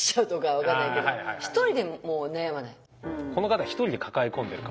この方一人で抱え込んでるかもしれない。